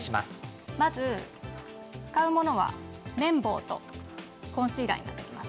まず使うものは綿棒とコンシーラーになります。